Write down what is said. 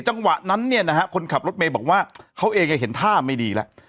จังหวะนั้นเนี่ยนะฮะคนขับรถเมย์บอกว่าเขาเองเห็นท่าไม่ดีแล้ว